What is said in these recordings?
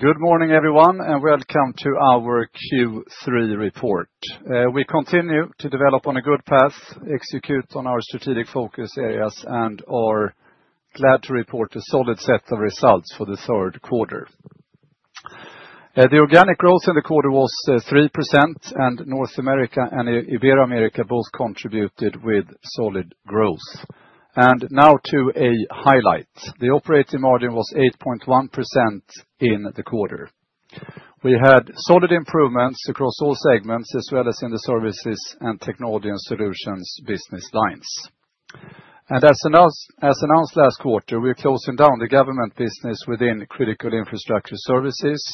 Good morning, everyone, and welcome to our Q3 report. We continue to develop on a good path, execute on our strategic focus areas, and are glad to report a solid set of results for the third quarter. The organic growth in the quarter was 3%, and North America and Ibero-America both contributed with solid growth. Now to a highlight: the operating margin was 8.1% in the quarter. We had solid improvements across all segments, as well as in the services and technology and solutions business lines. As announced last quarter, we are closing down the government business within critical infrastructure services,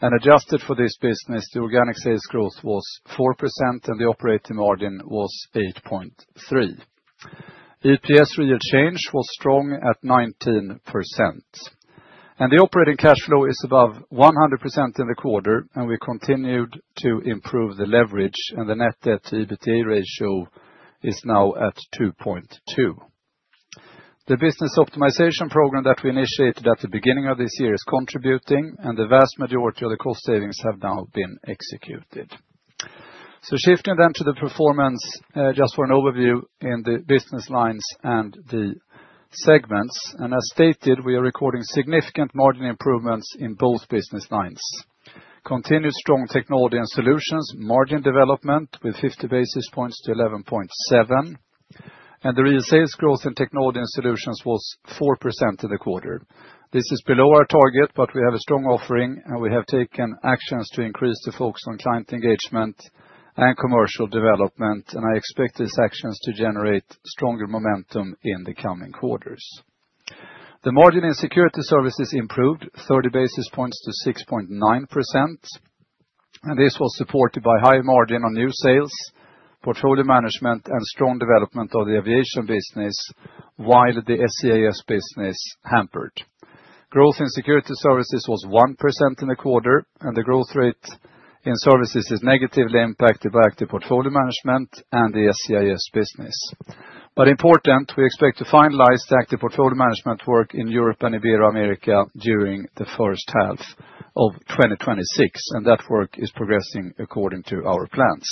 and adjusted for this business, the organic sales growth was 4%, and the operating margin was 8.3%. EPS real change was strong at 19%, and the operating cash flow is above 100% in the quarter, and we continued to improve the leverage, and the net debt to EBITDA ratio is now at 2.2%. The business optimization program that we initiated at the beginning of this year is contributing, and the vast majority of the cost savings have now been executed. So shifting then to the performance, just for an overview in the business lines and the segments, and as stated, we are recording significant margin improvements in both business lines. Continued strong technology and solutions margin development with 50 basis points to 11.7%, and the real sales growth in technology and solutions was 4% in the quarter. This is below our target, but we have a strong offering, and we have taken actions to increase the focus on client engagement and commercial development, and I expect these actions to generate stronger momentum in the coming quarters. The margin in security services improved 30 basis points to 6.9%, and this was supported by high margin on new sales, portfolio management, and strong development of the aviation business, while the SCIS business hampered. Growth in security services was 1% in the quarter, and the growth rate in services is negatively impacted by active portfolio management and the SCIS business. But important, we expect to finalize the active portfolio management work in Europe and Ibero-America during the first half of 2026, and that work is progressing according to our plans.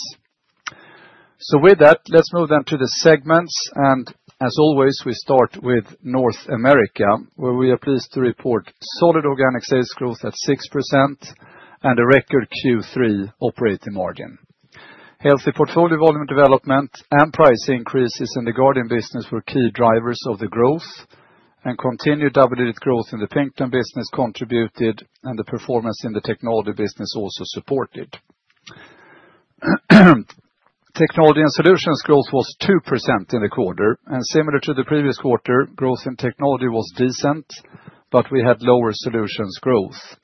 So with that, let's move then to the segments, and as always, we start with North America, where we are pleased to report solid organic sales growth at 6% and a record Q3 operating margin. Healthy portfolio volume development and price increases in the guarding business were key drivers of the growth, and continued double-digit growth in the Pinkerton business contributed, and the performance in the technology business also supported. Technology and solutions growth was 2% in the quarter, and similar to the previous quarter, growth in technology was decent, but we had lower solutions growth.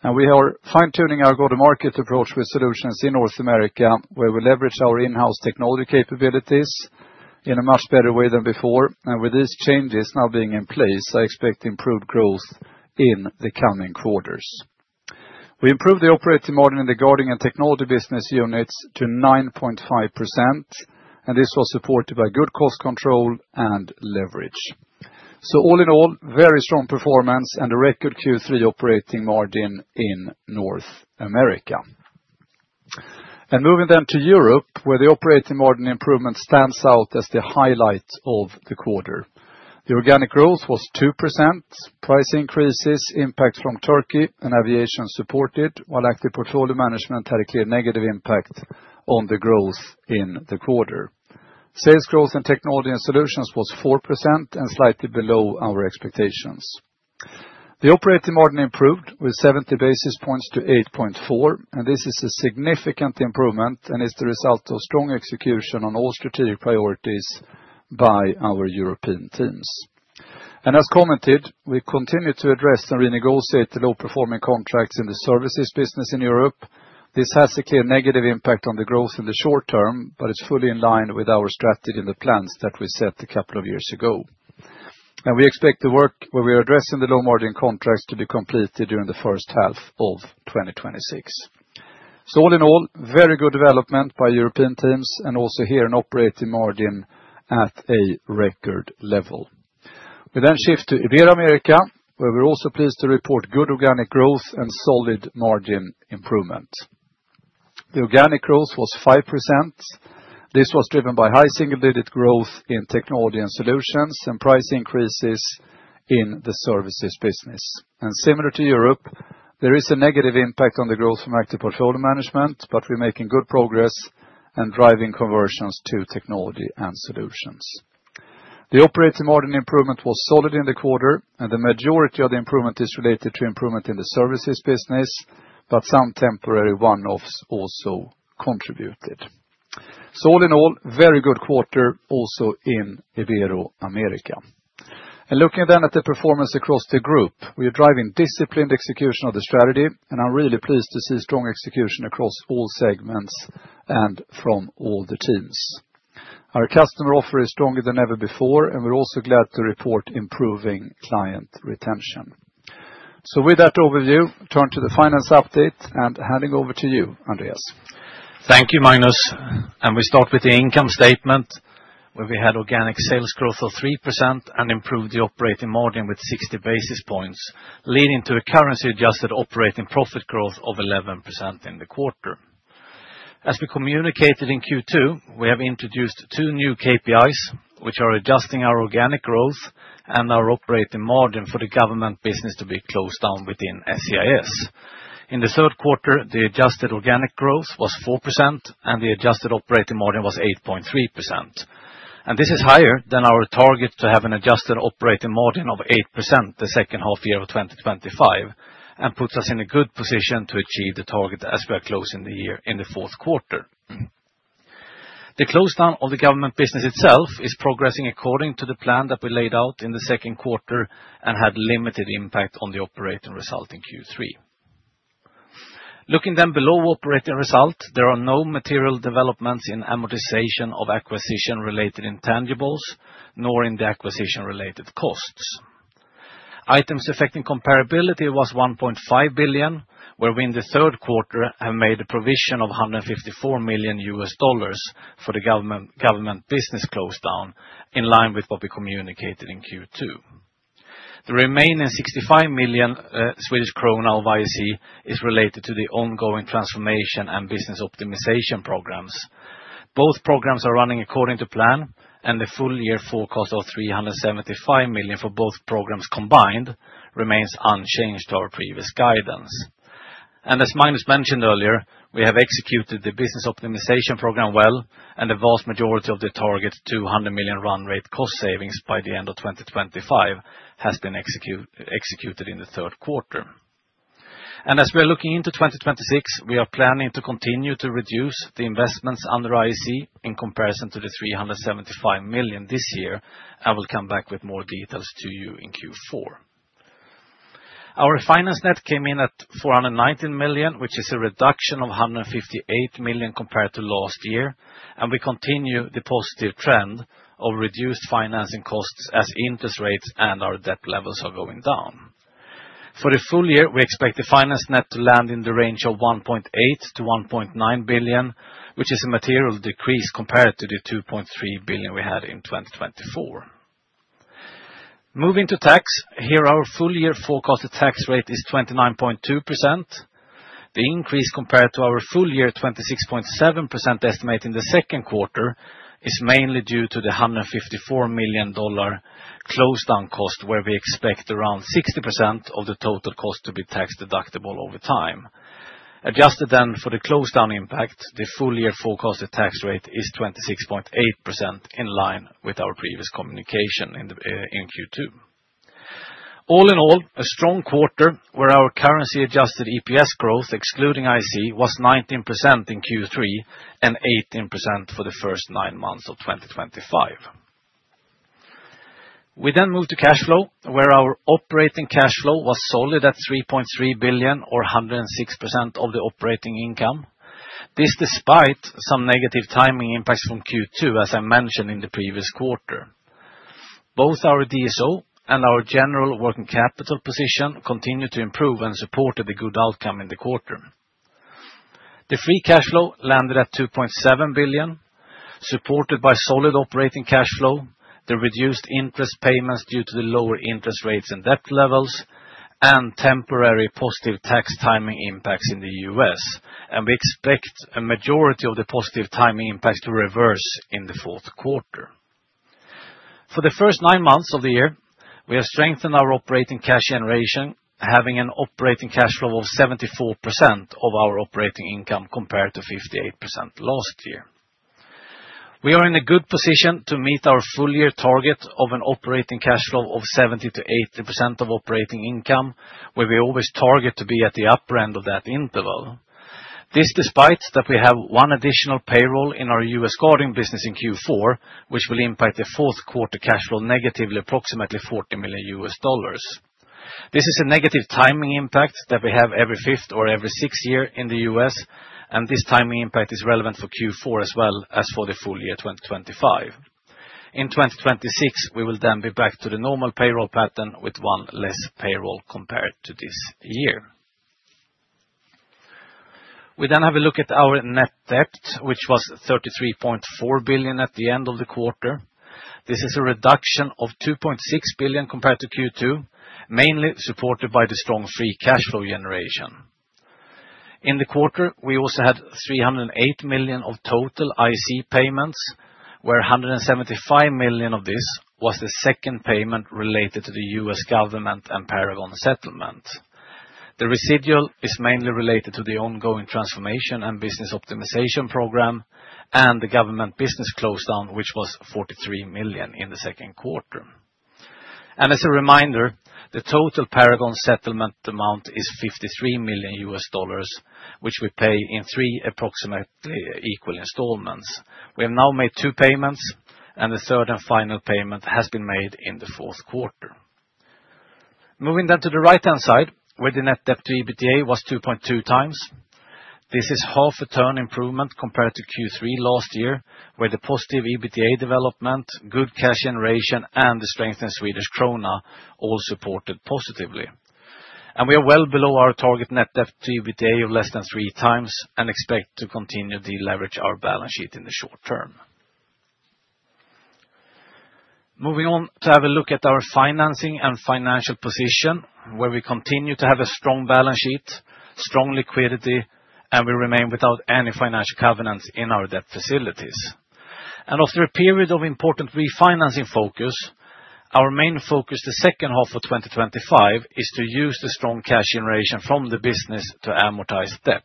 And we are fine-tuning our go-to-market approach with solutions in North America, where we leverage our in-house technology capabilities in a much better way than before, and with these changes now being in place, I expect improved growth in the coming quarters. We improved the operating margin in the Guarding and Technology business units to 9.5%, and this was supported by good cost control and leverage. So all in all, very strong performance and a record Q3 operating margin in North America. And moving then to Europe, where the operating margin improvement stands out as the highlight of the quarter. The organic growth was 2%, price increases, impact from Turkey, and Aviation supported, while active portfolio management had a clear negative impact on the growth in the quarter. Sales growth in Technology and Solutions was 4% and slightly below our expectations. The operating margin improved with 70 basis points to 8.4%, and this is a significant improvement and is the result of strong execution on all strategic priorities by our European teams. And as commented, we continue to address and renegotiate the low-performing contracts in the services business in Europe. This has a clear negative impact on the growth in the short term, but it's fully in line with our strategy and the plans that we set a couple of years ago, and we expect the work where we are addressing the low-margin contracts to be completed during the first half of 2026, so all in all, very good development by European teams and also here an operating margin at a record level. We then shift to Ibero-America, where we're also pleased to report good organic growth and solid margin improvement. The organic growth was 5%. This was driven by high single-digit growth in technology and solutions and price increases in the services business, and similar to Europe, there is a negative impact on the growth from active portfolio management, but we're making good progress and driving conversions to technology and solutions. The operating margin improvement was solid in the quarter, and the majority of the improvement is related to improvement in the services business, but some temporary one-offs also contributed, so all in all, very good quarter also in Ibero-America, and looking then at the performance across the group, we are driving disciplined execution of the strategy, and I'm really pleased to see strong execution across all segments and from all the teams. Our customer offer is stronger than ever before, and we're also glad to report improving client retention, so with that overview, turn to the finance update and handing over to you, Andreas. Thank you, Magnus, and we start with the income statement, where we had organic sales growth of 3% and improved the operating margin with 60 basis points, leading to a currency-adjusted operating profit growth of 11% in the quarter. As we communicated in Q2, we have introduced two new KPIs, which are adjusting our organic growth and our operating margin for the government business to be closed down within SCIS. In the third quarter, the adjusted organic growth was 4%, and the adjusted operating margin was 8.3%, and this is higher than our target to have an adjusted operating margin of 8% the second half year of 2025, and puts us in a good position to achieve the target as we are closing the year in the fourth quarter. The close down of the government business itself is progressing according to the plan that we laid out in the second quarter and had limited impact on the operating result in Q3. Looking then below operating result, there are no material developments in amortization of acquisition-related intangibles, nor in the acquisition-related costs. Items Affecting Comparability was 1.5 billion, where we in the third quarter have made a provision of $154 million for the government business close down, in line with what we communicated in Q2. The remaining 65 million Swedish krona of IAC is related to the ongoing transformation and business optimization programs. Both programs are running according to plan, and the full year forecast of 375 million for both programs combined remains unchanged to our previous guidance. As Magnus mentioned earlier, we have executed the business optimization program well, and the vast majority of the target 200 million run rate cost savings by the end of 2025 has been executed in the third quarter. As we are looking into 2026, we are planning to continue to reduce the investments under IAC in comparison to the 375 million this year, and we'll come back with more details to you in Q4. Our financial net came in at 419 million, which is a reduction of 158 million compared to last year, and we continue the positive trend of reduced financing costs as interest rates and our debt levels are going down. For the full year, we expect the financial net to land in the range of 1.8 billion-1.9 billion, which is a material decrease compared to the 2.3 billion we had in 2024. Moving to tax, here our full year forecasted tax rate is 29.2%. The increase compared to our full year 26.7% estimate in the second quarter is mainly due to the $154 million close down cost, where we expect around 60% of the total cost to be tax deductible over time. Adjusted then for the close down impact, the full year forecasted tax rate is 26.8% in line with our previous communication in Q2. All in all, a strong quarter, where our currency-adjusted EPS growth, excluding IAC, was 19% in Q3 and 18% for the first nine months of 2025. We then move to cash flow, where our operating cash flow was solid at 3.3 billion, or 106% of the operating income. This despite some negative timing impacts from Q2, as I mentioned in the previous quarter. Both our DSO and our general working capital position continue to improve and supported the good outcome in the quarter. The free cash flow landed at 2.7 billion, supported by solid operating cash flow, the reduced interest payments due to the lower interest rates and debt levels, and temporary positive tax timing impacts in the U.S., and we expect a majority of the positive timing impacts to reverse in the fourth quarter. For the first nine months of the year, we have strengthened our operating cash generation, having an operating cash flow of 74% of our operating income compared to 58% last year. We are in a good position to meet our full year target of an operating cash flow of 70%-80% of operating income, where we always target to be at the upper end of that interval. This despite that we have one additional payroll in our U.S. guarding business in Q4, which will impact the fourth quarter cash flow negatively approximately $40 million. This is a negative timing impact that we have every fifth or every sixth year in the U.S., and this timing impact is relevant for Q4 as well as for the full year 2025. In 2026, we will then be back to the normal payroll pattern with one less payroll compared to this year. We then have a look at our net debt, which was 33.4 billion at the end of the quarter. This is a reduction of 2.6 billion compared to Q2, mainly supported by the strong free cash flow generation. In the quarter, we also had 308 million of total IAC payments, where 175 million of this was the second payment related to the U.S. government and Paragon settlement. The residual is mainly related to the ongoing transformation and business optimization program and the government business close down, which was 43 million in the second quarter. As a reminder, the total Paragon settlement amount is $53 million, which we pay in three approximately equal installments. We have now made two payments, and the third and final payment has been made in the fourth quarter. Moving then to the right-hand side, where the net debt to EBITDA was 2.2 times. This is half a turn improvement compared to Q3 last year, where the positive EBITDA development, good cash generation, and the strength in Swedish krona all supported positively. We are well below our target net debt to EBITDA of less than three times and expect to continue to leverage our balance sheet in the short term. Moving on to have a look at our financing and financial position, where we continue to have a strong balance sheet, strong liquidity, and we remain without any financial covenants in our debt facilities. After a period of important refinancing focus, our main focus the second half of 2025 is to use the strong cash generation from the business to amortize debt.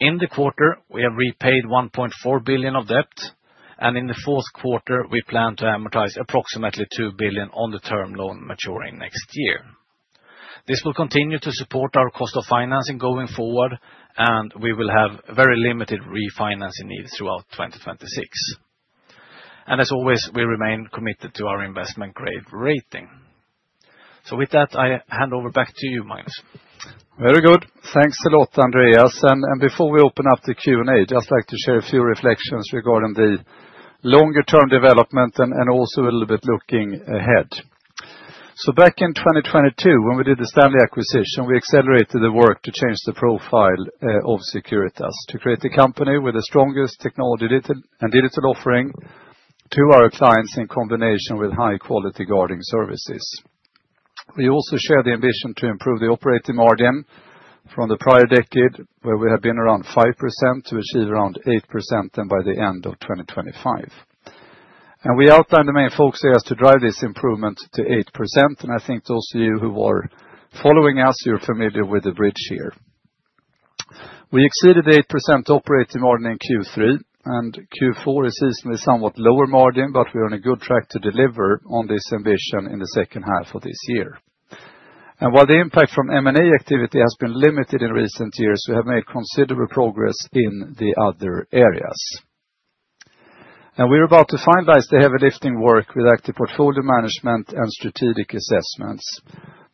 In the quarter, we have repaid 1.4 billion of debt, and in the fourth quarter, we plan to amortize approximately 2 billion on the term loan maturing next year. This will continue to support our cost of financing going forward, and we will have very limited refinancing needs throughout 2026. As always, we remain committed to our investment grade rating. So with that, I hand over back to you, Magnus. Very good. Thanks a lot, Andreas. And before we open up the Q&A, I'd just like to share a few reflections regarding the longer-term development and also a little bit looking ahead. So back in 2022, when we did the Stanley acquisition, we accelerated the work to change the profile of Securitas to create a company with the strongest technology and digital offering to our clients in combination with high-quality guarding services. We also shared the ambition to improve the operating margin from the prior decade, where we had been around 5%, to achieve around 8% then by the end of 2025. And we outlined the main focus areas to drive this improvement to 8%, and I think those of you who are following us, you're familiar with the bridge here. We exceeded the 8% operating margin in Q3, and Q4 is easily somewhat lower margin, but we are on a good track to deliver on this ambition in the second half of this year. While the impact from M&A activity has been limited in recent years, we have made considerable progress in the other areas. We are about to finalize the heavy lifting work with active portfolio management and strategic assessments,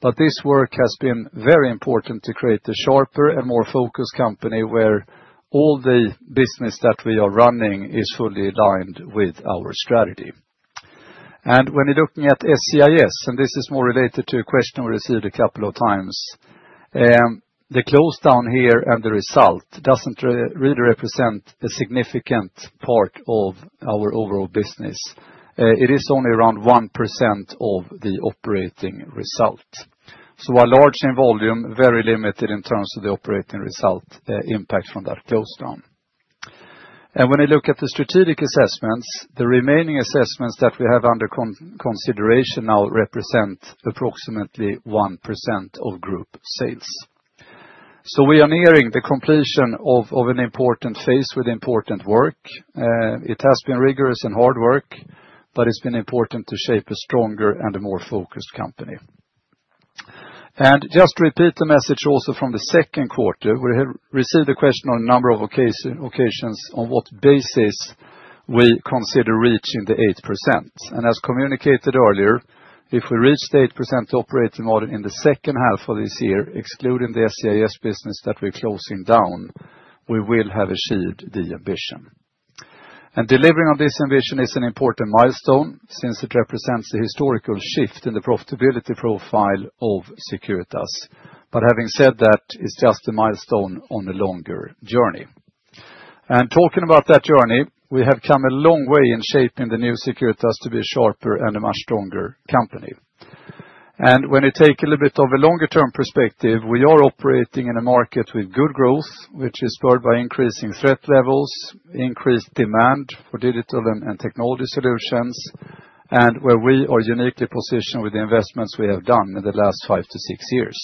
but this work has been very important to create a sharper and more focused company where all the business that we are running is fully aligned with our strategy. When you're looking at SCIS, and this is more related to a question we received a couple of times, the close down here and the result doesn't really represent a significant part of our overall business. It is only around 1% of the operating result. So, a large in volume, very limited in terms of the operating result impact from that close down. And when you look at the strategic assessments, the remaining assessments that we have under consideration now represent approximately 1% of group sales. So we are nearing the completion of an important phase with important work. It has been rigorous and hard work, but it's been important to shape a stronger and a more focused company. And just to repeat the message also from the second quarter, we received a question on a number of occasions on what basis we consider reaching the 8%. And as communicated earlier, if we reach the 8% operating margin in the second half of this year, excluding the SCIS business that we're closing down, we will have achieved the ambition. Delivering on this ambition is an important milestone since it represents a historical shift in the profitability profile of Securitas. Having said that, it's just a milestone on the longer journey. Talking about that journey, we have come a long way in shaping the new Securitas to be a sharper and a much stronger company. When you take a little bit of a longer-term perspective, we are operating in a market with good growth, which is spurred by increasing threat levels, increased demand for digital and technology solutions, and where we are uniquely positioned with the investments we have done in the last five to six years.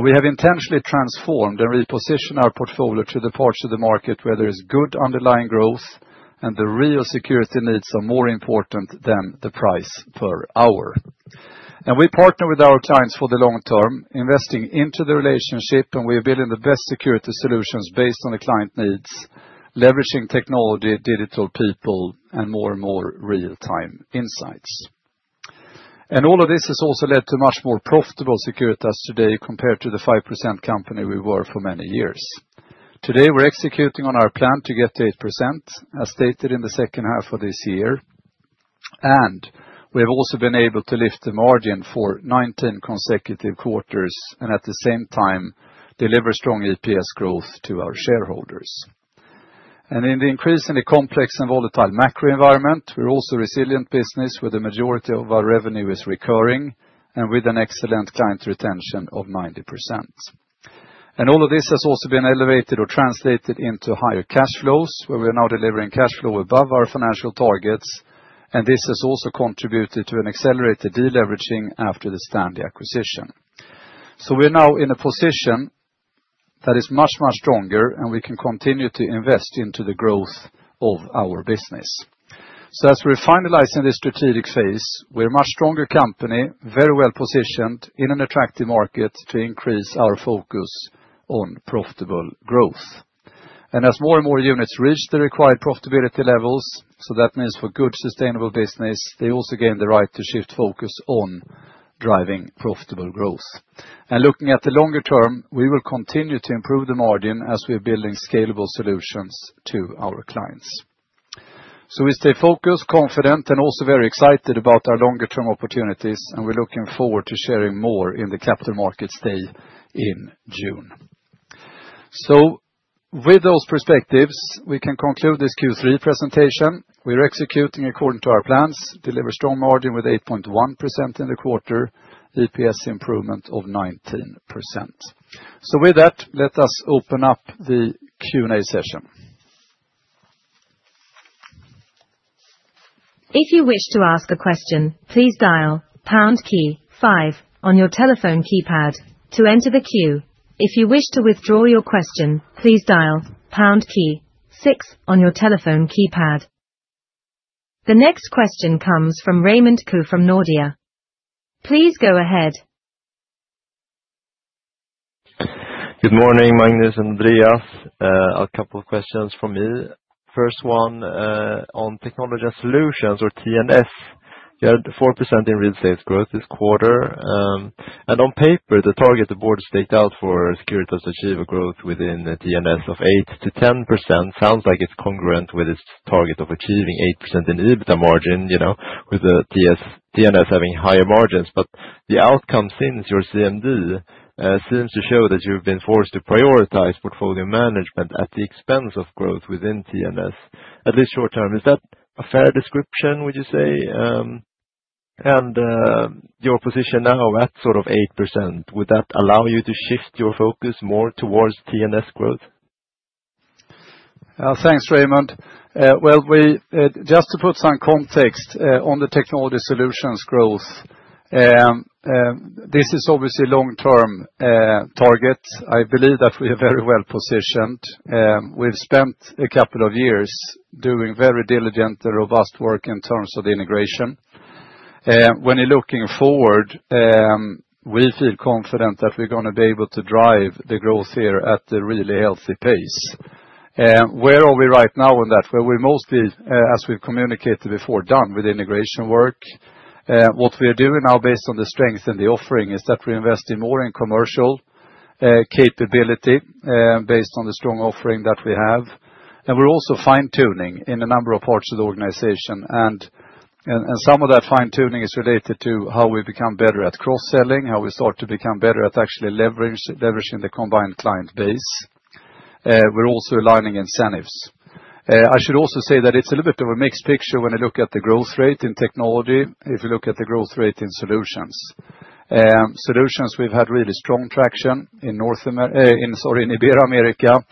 We have intentionally transformed and repositioned our portfolio to the parts of the market where there is good underlying growth and the real security needs are more important than the price per hour. We partner with our clients for the long term, investing into the relationship, and we are building the best security solutions based on the client needs, leveraging technology, digital people, and more and more real-time insights. All of this has also led to much more profitable Securitas today compared to the 5% company we were for many years. Today, we're executing on our plan to get to 8%, as stated in the second half of this year, and we have also been able to lift the margin for 19 consecutive quarters and at the same time deliver strong EPS growth to our shareholders. In the increasingly complex and volatile macro environment, we're also a resilient business where the majority of our revenue is recurring and with an excellent client retention of 90%. And all of this has also been elevated or translated into higher cash flows, where we are now delivering cash flow above our financial targets, and this has also contributed to an accelerated deleveraging after the Stanley acquisition. So we're now in a position that is much, much stronger, and we can continue to invest into the growth of our business. So as we're finalizing this strategic phase, we're a much stronger company, very well positioned in an attractive market to increase our focus on profitable growth. And as more and more units reach the required profitability levels, so that means for good sustainable business, they also gain the right to shift focus on driving profitable growth. And looking at the longer term, we will continue to improve the margin as we are building scalable solutions to our clients. So we stay focused, confident, and also very excited about our longer-term opportunities, and we're looking forward to sharing more in the Capital Markets Day in June. So with those perspectives, we can conclude this Q3 presentation. We are executing according to our plans, deliver strong margin with 8.1% in the quarter, EPS improvement of 19%. So with that, let us open up the Q&A session. If you wish to ask a question, please dial #5 on your telephone keypad to enter the queue. If you wish to withdraw your question, please dial #6 on your telephone keypad. The next question comes from Raymond Ke from Nordea. Please go ahead. Good morning, Magnus and Andreas. A couple of questions from me. First one on technology and solutions, or T&S. We had 4% in real sales growth this quarter. And on paper, the target the board has staked out for Securitas to achieve a growth within T&S of 8%-10% sounds like it's congruent with its target of achieving 8% in EBITDA margin, you know, with the T&S having higher margins. But the outcome since your CMD seems to show that you've been forced to prioritize portfolio management at the expense of growth within T&S, at least short term. Is that a fair description, would you say? And your position now at sort of 8%, would that allow you to shift your focus more towards T&S growth? Thanks, Raymond. Just to put some context on the technology solutions growth, this is obviously a long-term target. I believe that we are very well positioned. We've spent a couple of years doing very diligent and robust work in terms of the integration. When you're looking forward, we feel confident that we're going to be able to drive the growth here at a really healthy pace. Where are we right now in that? We're mostly, as we've communicated before, done with integration work. What we are doing now, based on the strength in the offering, is that we're investing more in commercial capability based on the strong offering that we have, and we're also fine-tuning in a number of parts of the organization. And some of that fine-tuning is related to how we become better at cross-selling, how we start to become better at actually leveraging the combined client base. We're also aligning incentives. I should also say that it's a little bit of a mixed picture when you look at the growth rate in technology, if you look at the growth rate in solutions. Solutions we've had really strong traction in Ibero-America,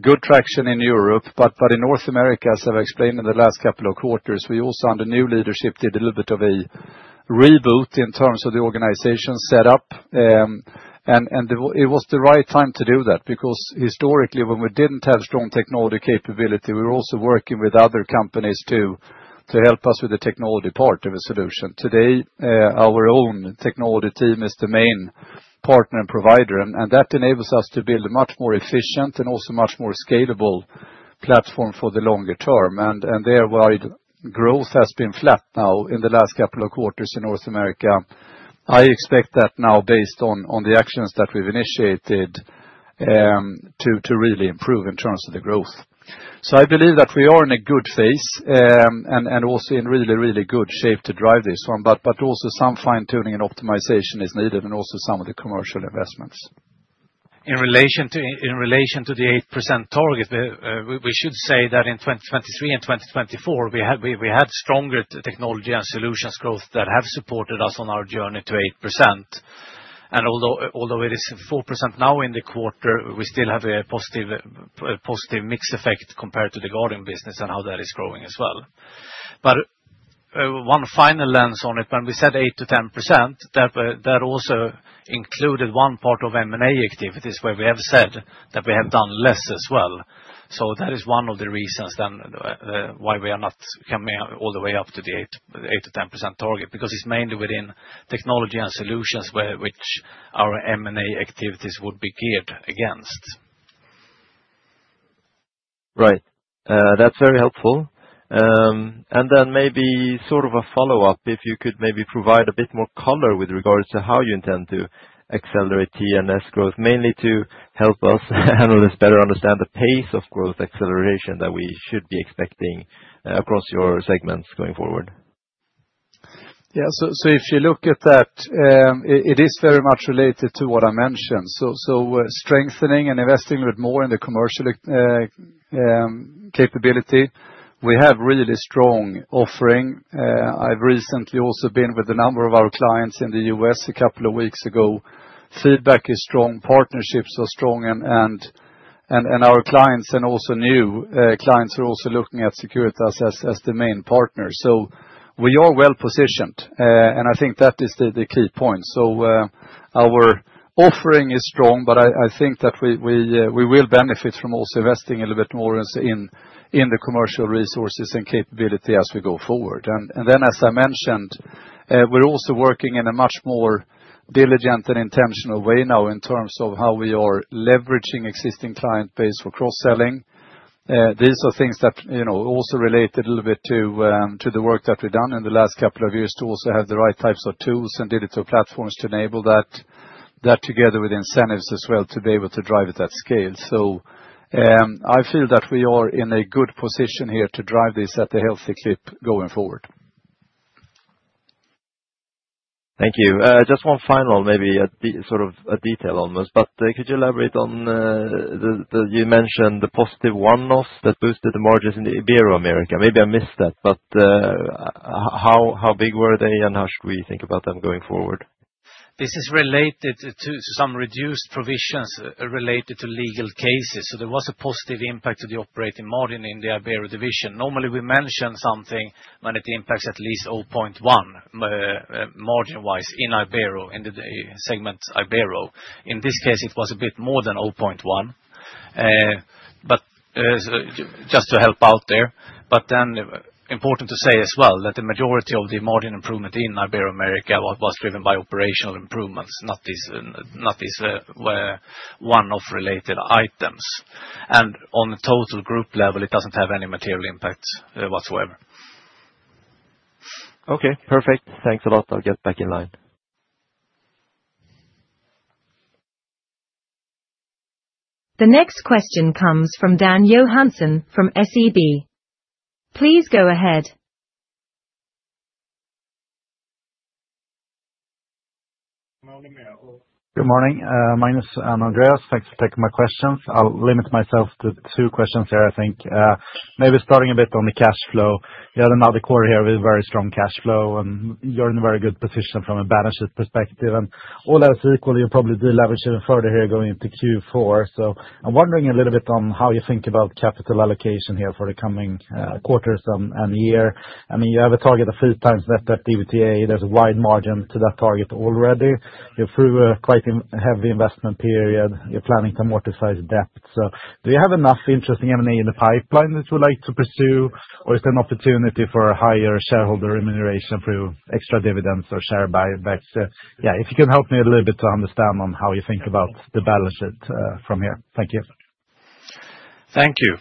good traction in Europe, but in North America, as I've explained in the last couple of quarters, we also under new leadership did a little bit of a reboot in terms of the organization setup. And it was the right time to do that because historically, when we didn't have strong technology capability, we were also working with other companies to help us with the technology part of a solution. Today, our own technology team is the main partner and provider, and that enables us to build a much more efficient and also much more scalable platform for the longer term, and there, while growth has been flat now in the last couple of quarters in North America, I expect that now, based on the actions that we've initiated, to really improve in terms of the growth, so I believe that we are in a good phase and also in really, really good shape to drive this one, but also some fine-tuning and optimization is needed in also some of the commercial investments. In relation to the 8% target, we should say that in 2023 and 2024, we had stronger technology and solutions growth that have supported us on our journey to 8%. And although it is 4% now in the quarter, we still have a positive mixed effect compared to the guarding business and how that is growing as well. But one final lens on it, when we said 8%-10%, that also included one part of M&A activities where we have said that we have done less as well. So that is one of the reasons then why we are not coming all the way up to the 8%-10% target, because it's mainly within technology and solutions which our M&A activities would be geared against. Right. That's very helpful. And then maybe sort of a follow-up, if you could maybe provide a bit more color with regards to how you intend to accelerate T&S growth, mainly to help us analysts better understand the pace of growth acceleration that we should be expecting across your segments going forward. Yeah, so if you look at that, it is very much related to what I mentioned. So strengthening and investing a bit more in the commercial capability, we have really strong offering. I've recently also been with a number of our clients in the U.S. a couple of weeks ago. Feedback is strong, partnerships are strong, and our clients and also new clients are also looking at Securitas as the main partner. So we are well positioned, and I think that is the key point. So our offering is strong, but I think that we will benefit from also investing a little bit more in the commercial resources and capability as we go forward. And then, as I mentioned, we're also working in a much more diligent and intentional way now in terms of how we are leveraging existing client base for cross-selling. These are things that, you know, also relate a little bit to the work that we've done in the last couple of years to also have the right types of tools and digital platforms to enable that together with incentives as well to be able to drive it at scale. So I feel that we are in a good position here to drive this at a healthy clip going forward. Thank you. Just one final, maybe sort of a detail almost, but could you elaborate on the you mentioned the positive one-offs that boosted the margins in the Ibero-America? Maybe I missed that, but how big were they and how should we think about them going forward? This is related to some reduced provisions related to legal cases. So there was a positive impact to the operating margin in the Ibero-America division. Normally, we mention something when it impacts at least 0.1 margin-wise in Ibero-America, in the segment Ibero-America. In this case, it was a bit more than 0.1, but just to help out there. But then important to say as well that the majority of the margin improvement in Ibero-America was driven by operational improvements, not these one-off related items. And on the total group level, it doesn't have any material impact whatsoever. Okay, perfect. Thanks a lot. I'll get back in line. The next question comes from Dan Johansson from SEB. Please go ahead. Good morning, Magnus and Andreas. Thanks for taking my questions. I'll limit myself to two questions here, I think. Maybe starting a bit on the cash flow. You had another quarter here with very strong cash flow, and you're in a very good position from a balance sheet perspective, and all else equal, you'll probably deleverage even further here going into Q4, so I'm wondering a little bit on how you think about capital allocation here for the coming quarters and year. I mean, you have a target of three times net debt to EBITDA. There's a wide margin to that target already. You're through a quite heavy investment period. You're planning to amortize debt. So do you have enough interesting M&A in the pipeline that you would like to pursue, or is there an opportunity for higher shareholder remuneration through extra dividends or share buybacks? Yeah, if you can help me a little bit to understand on how you think about the balance sheet from here? Thank you. Thank you.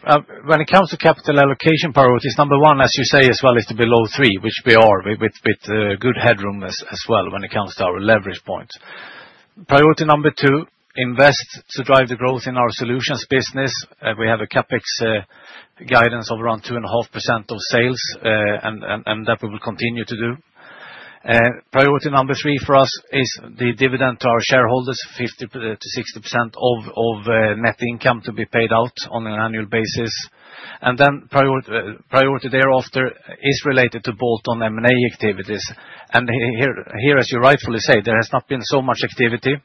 When it comes to capital allocation priority, number one, as you say as well, is to be below three, which we are with good headroom as well when it comes to our leverage points. Priority number two is to invest to drive the growth in our solutions business. We have a CapEx guidance of around 2.5% of sales, and that we will continue to do. Priority number three for us is the dividend to our shareholders, 50%-60% of net income to be paid out on an annual basis. And then priority thereafter is related to bolt-on M&A activities. And here, as you rightfully say, there has not been so much activity.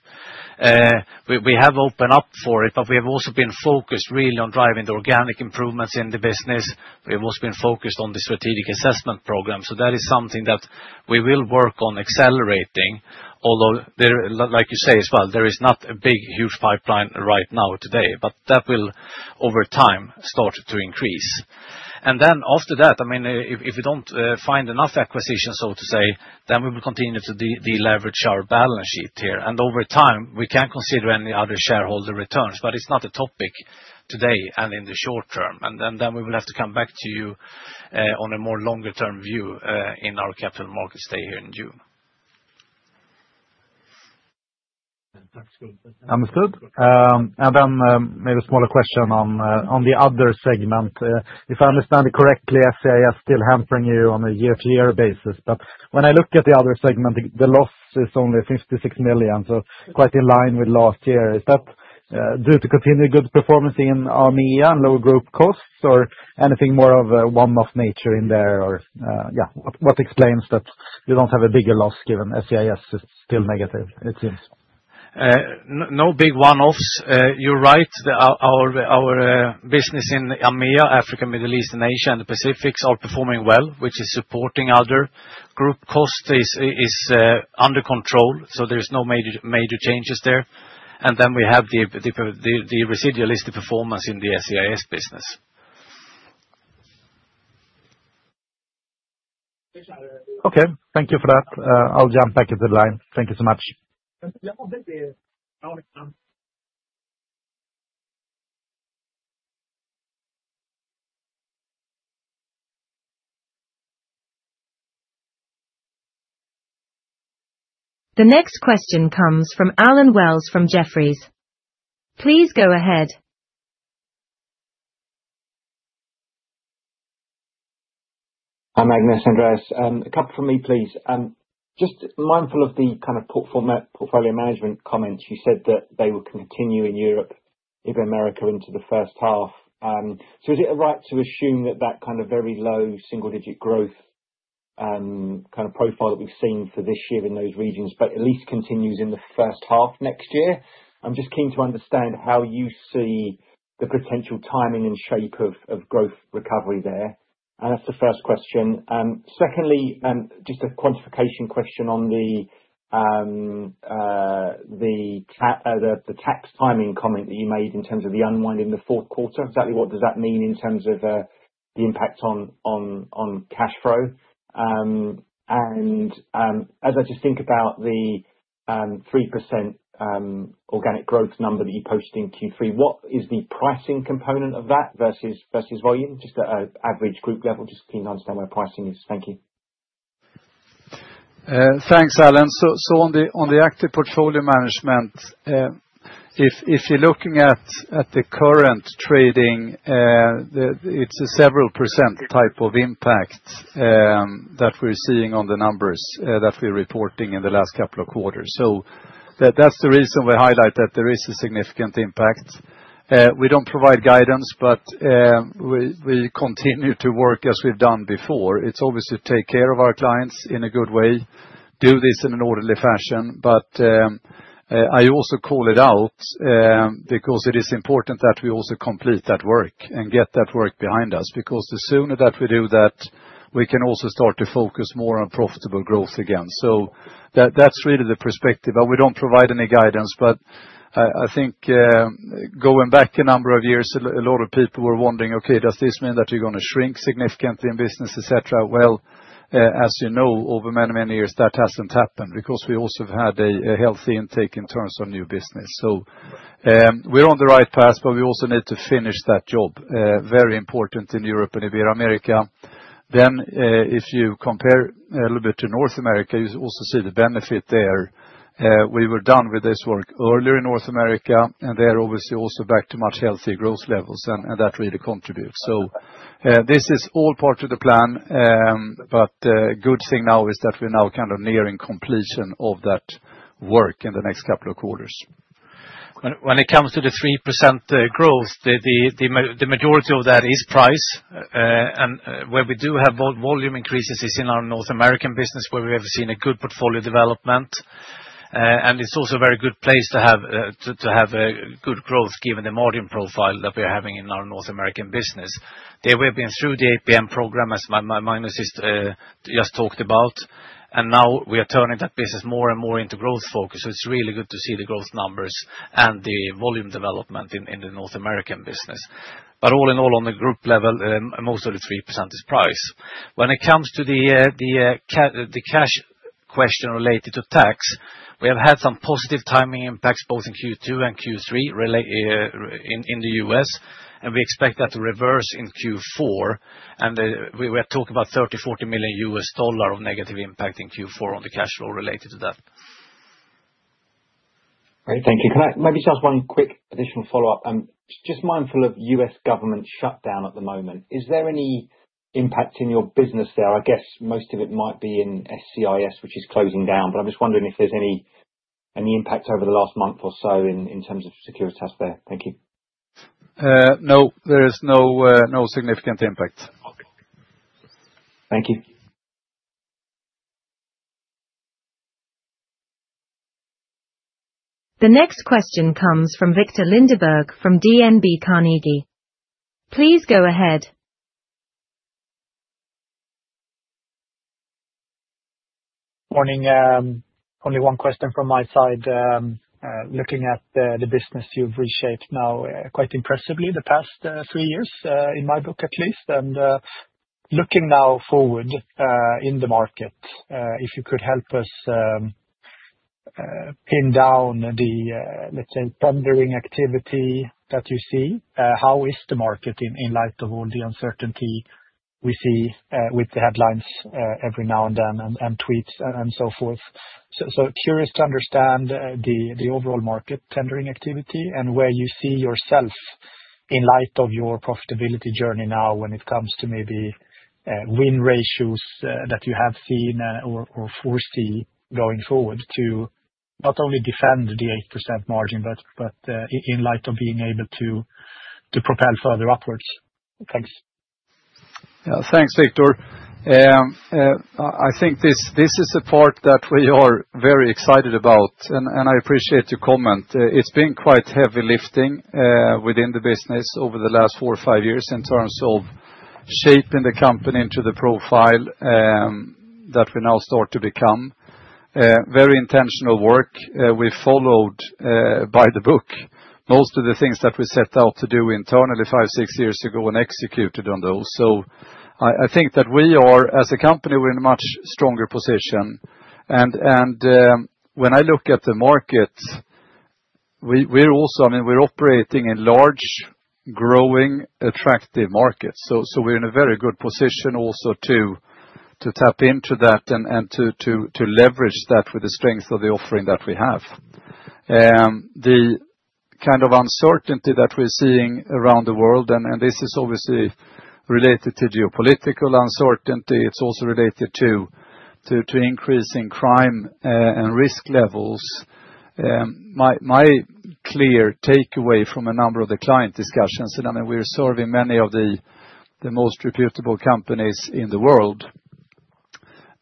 We have opened up for it, but we have also been focused really on driving the organic improvements in the business. We have also been focused on the strategic assessment program. So that is something that we will work on accelerating, although, like you say as well, there is not a big huge pipeline right now today, but that will over time start to increase. And then after that, I mean, if we don't find enough acquisitions, so to say, then we will continue to deleverage our balance sheet here. And over time, we can consider any other shareholder returns, but it's not a topic today and in the short term. And then we will have to come back to you on a more longer-term view in our Capital Markets Day here in June. Understood. And then maybe a smaller question on the other segment. If I understand it correctly, SCIS is still hampering you on a year-to-year basis. But when I look at the other segment, the loss is only 56 million SEK, so quite in line with last year. Is that due to continued good performance in AMEA and lower group costs, or anything more of a one-off nature in there? Or yeah, what explains that you don't have a bigger loss given SCIS is still negative, it seems? No big one-offs. You're right. Our business in AMEA, Africa, Middle East, and Asia and the Pacifics are performing well, which is supporting other group costs is under control. So there's no major changes there. And then we have the residual listed performance in the SCIS business. Okay, thank you for that. I'll jump back into the line. Thank you so much. The next question comes from Allen Wells from Jefferies. Please go ahead. Hi, Magnus and Andreas. A couple from me, please. Just mindful of the kind of portfolio management comments, you said that they will continue in Europe, Ibero-America into the first half. So is it right to assume that that kind of very low single-digit growth kind of profile that we've seen for this year in those regions but at least continues in the first half next year? I'm just keen to understand how you see the potential timing and shape of growth recovery there. And that's the first question. Secondly, just a quantification question on the tax timing comment that you made in terms of the unwind in the fourth quarter. Exactly what does that mean in terms of the impact on cash flow? And as I just think about the 3% organic growth number that you posted in Q3, what is the pricing component of that versus volume? Just an average group level, just keen to understand where pricing is. Thank you. Thanks, Allen. So on the active portfolio management, if you're looking at the current trading, it's a several % type of impact that we're seeing on the numbers that we're reporting in the last couple of quarters. So that's the reason we highlight that there is a significant impact. We don't provide guidance, but we continue to work as we've done before. It's obviously to take care of our clients in a good way, do this in an orderly fashion. But I also call it out because it is important that we also complete that work and get that work behind us because the sooner that we do that, we can also start to focus more on profitable growth again. So that's really the perspective. But we don't provide any guidance. But I think going back a number of years, a lot of people were wondering, okay, does this mean that you're going to shrink significantly in business, etc.? Well, as you know, over many, many years, that hasn't happened because we also have had a healthy intake in terms of new business. So we're on the right path, but we also need to finish that job. Very important in Europe and Ibero-America. Then if you compare a little bit to North America, you also see the benefit there. We were done with this work earlier in North America, and they're obviously also back to much healthy growth levels, and that really contributes. So this is all part of the plan, but the good thing now is that we're now kind of nearing completion of that work in the next couple of quarters. When it comes to the 3% growth, the majority of that is price, and where we do have volume increases is in our North America business where we have seen a good portfolio development, and it's also a very good place to have good growth given the margin profile that we're having in our North America business. There we have been through the APM program, as Magnus just talked about, and now we are turning that business more and more into growth focus, so it's really good to see the growth numbers and the volume development in the North America business, but all in all, on the group level, most of the 3% is price. When it comes to the cash question related to tax, we have had some positive timing impacts both in Q2 and Q3 in the U.S., and we expect that to reverse in Q4. We are talking about $30-$40 million of negative impact in Q4 on the cash flow related to that. Great, thank you. Can I maybe just one quick additional follow-up? I'm just mindful of U.S. government shutdown at the moment. Is there any impact in your business there? I guess most of it might be in SCIS, which is closing down, but I'm just wondering if there's any impact over the last month or so in terms of Securitas there. Thank you. No, there is no significant impact. Thank you. The next question comes from Viktor Lindeberg from Carnegie Investment Bank. Please go ahead. Morning. Only one question from my side. Looking at the business, you've reshaped now quite impressively the past three years, in my book at least, and looking now forward in the market, if you could help us pin down the, let's say, bidding activity that you see, how is the market in light of all the uncertainty we see with the headlines every now and then and tweets and so forth, so curious to understand the overall market tendering activity and where you see yourself in light of your profitability journey now when it comes to maybe win ratios that you have seen or foresee going forward to not only defend the 8% margin, but in light of being able to propel further upwards. Thanks. Yeah, thanks, Viktor. I think this is a part that we are very excited about, and I appreciate your comment. It's been quite heavy lifting within the business over the last four or five years in terms of shaping the company into the profile that we now start to become. Very intentional work. We followed by the book most of the things that we set out to do internally five, six years ago and executed on those. So I think that we are, as a company, we're in a much stronger position. And when I look at the market, we're also, I mean, we're operating in large, growing, attractive markets. So we're in a very good position also to tap into that and to leverage that with the strength of the offering that we have. The kind of uncertainty that we're seeing around the world, and this is obviously related to geopolitical uncertainty, it's also related to increasing crime and risk levels. My clear takeaway from a number of the client discussions, and I mean, we're serving many of the most reputable companies in the world,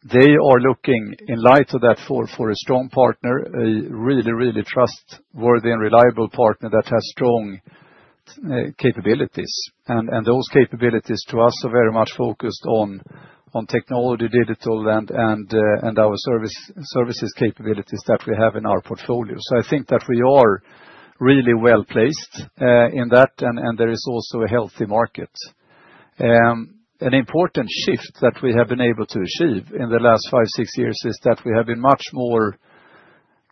they are looking in light of that for a strong partner, a really, really trustworthy and reliable partner that has strong capabilities, and those capabilities to us are very much focused on technology, digital, and our services capabilities that we have in our portfolio, so I think that we are really well placed in that, and there is also a healthy market. An important shift that we have been able to achieve in the last five, six years is that we have been much more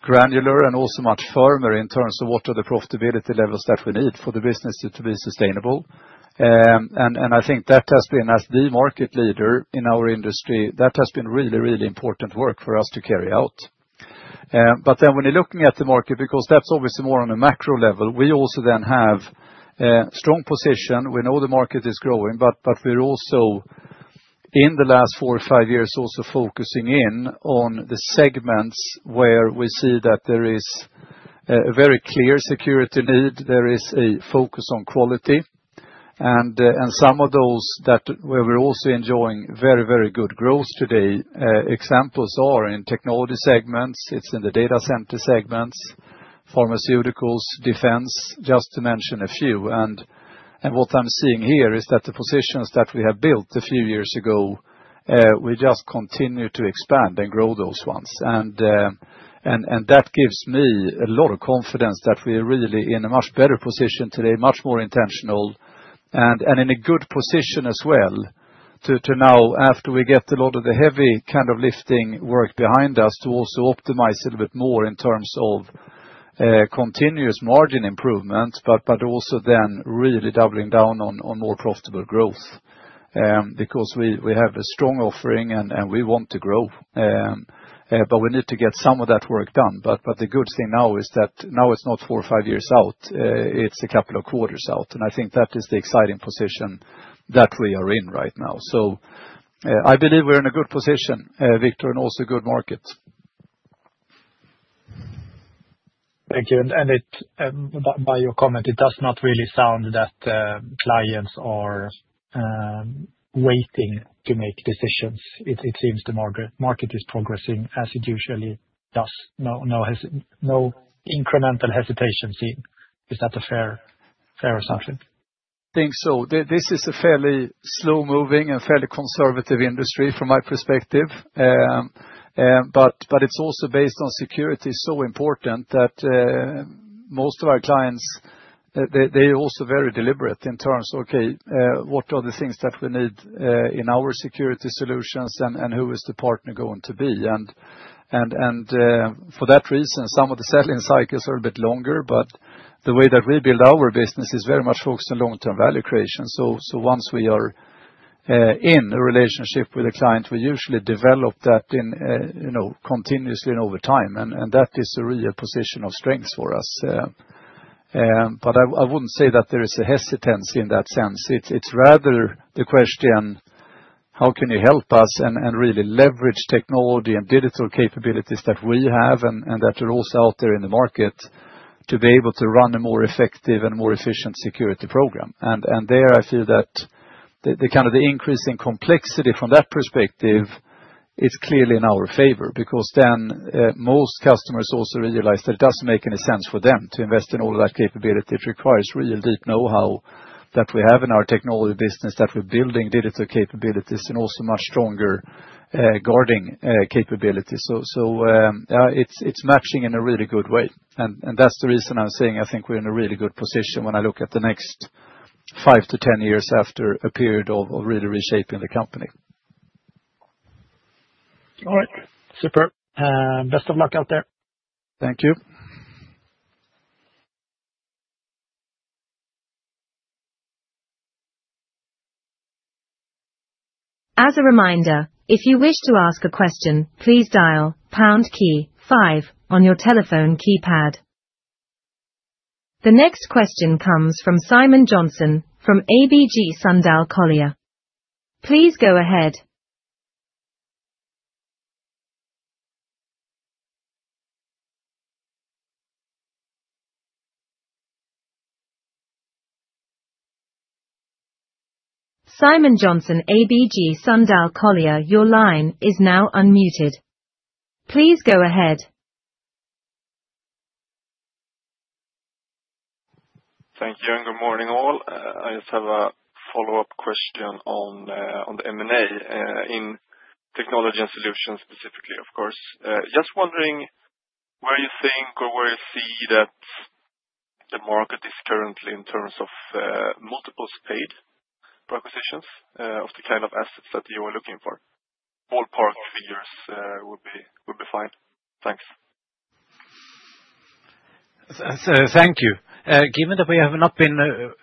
granular and also much firmer in terms of what are the profitability levels that we need for the business to be sustainable, and I think that has been, as the market leader in our industry, that has been really, really important work for us to carry out, but then when you're looking at the market, because that's obviously more on a macro level, we also then have a strong position. We know the market is growing, but we're also in the last four or five years also focusing in on the segments where we see that there is a very clear security need. There is a focus on quality. Some of those that we're also enjoying very, very good growth today. Examples are in technology segments. It's in the data center segments, pharmaceuticals, defense, just to mention a few. What I'm seeing here is that the positions that we have built a few years ago, we just continue to expand and grow those ones. That gives me a lot of confidence that we are really in a much better position today, much more intentional, and in a good position as well to now, after we get a lot of the heavy kind of lifting work behind us, to also optimize a little bit more in terms of continuous margin improvement, but also then really doubling down on more profitable growth because we have a strong offering and we want to grow. We need to get some of that work done. But the good thing now is that now it's not four or five years out. It's a couple of quarters out. I think that is the exciting position that we are in right now. I believe we're in a good position, Viktor, and also good market. Thank you. And by your comment, it does not really sound that clients are waiting to make decisions. It seems the market is progressing as it usually does. No incremental hesitation seen. Is that a fair assumption? I think so. This is a fairly slow-moving and fairly conservative industry from my perspective. But it's also based on security so important that most of our clients, they are also very deliberate in terms of, okay, what are the things that we need in our security solutions and who is the partner going to be? And for that reason, some of the selling cycles are a bit longer, but the way that we build our business is very much focused on long-term value creation. So once we are in a relationship with a client, we usually develop that continuously and over time. And that is a real position of strength for us. But I wouldn't say that there is a hesitance in that sense. It's rather the question, how can you help us and really leverage technology and digital capabilities that we have and that are also out there in the market to be able to run a more effective and more efficient security program? And there I feel that the kind of the increasing complexity from that perspective is clearly in our favor because then most customers also realize that it doesn't make any sense for them to invest in all of that capability. It requires real deep know-how that we have in our technology business, that we're building digital capabilities and also much stronger guarding capabilities. So yeah, it's matching in a really good way. And that's the reason I'm saying I think we're in a really good position when I look at the next five to ten years after a period of really reshaping the company. All right. Super. Best of luck out there. Thank you. As a reminder, if you wish to ask a question, please dial #5 on your telephone keypad. The next question comes from Simon Jönsson from ABG Sundal Collier. Please go ahead. Simon Jönsson, ABG Sundal Collier, your line is now unmuted. Please go ahead. Thank you and good morning all. I just have a follow-up question on the M&A in Technology and Solutions specifically, of course. Just wondering where you think or where you see that the market is currently in terms of multiples paid for acquisitions of the kind of assets that you are looking for. Ballpark figures would be fine. Thanks. Thank you. Given that we have not been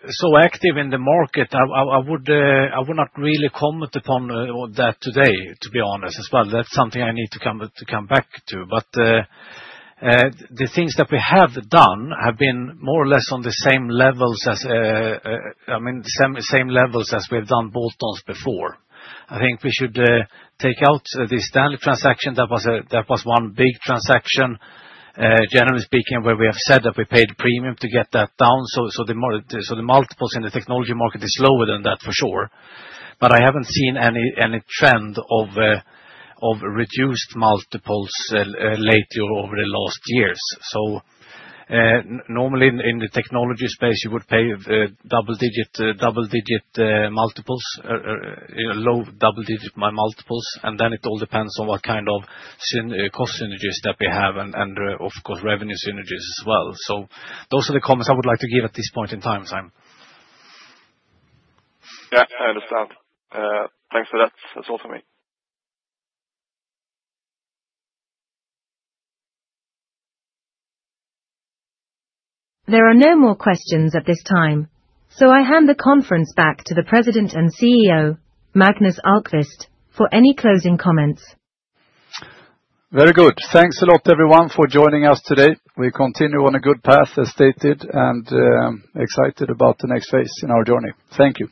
so active in the market, I would not really comment upon that today, to be honest, as well. That's something I need to come back to. But the things that we have done have been more or less on the same levels as, I mean, same levels as we have done both those before. I think we should take out the Stanley transaction. That was one big transaction, generally speaking, where we have said that we paid premium to get that down. So the multiples in the technology market are lower than that for sure. But I haven't seen any trend of reduced multiples later over the last years. So normally in the technology space, you would pay double-digit multiples, low double-digit multiples. And then it all depends on what kind of cost synergies that we have and, of course, revenue synergies as well. So those are the comments I would like to give at this point in time. Yeah, I understand. Thanks for that. That's all for me. There are no more questions at this time. So I hand the conference back to the President and CEO, Magnus Ahlqvist, for any closing comments. Very good. Thanks a lot, everyone, for joining us today. We continue on a good path, as stated, and excited about the next phase in our journey. Thank you.